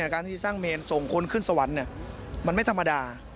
การที่สร้างเมนส่งคนขึ้นสวรรค์มันไม่ธรรมดา